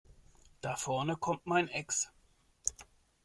Da vorne kommt mein Ex.